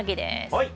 はい。